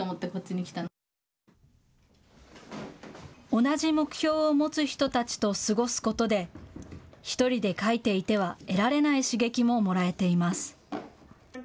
同じ目標を持つ人たちと過ごすことで１人で描いていては得られない刺激ももらえています。